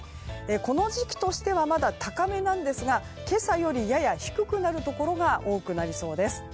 この時期としてはまだ高めですが今朝より低くなるところが多くなりそうです。